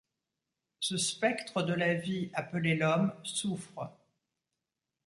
Ce spectre de la vie appelé l’homme souffre